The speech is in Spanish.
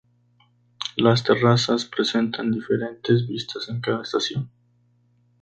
Las terrazas presentan diferentes vistas en cada estación.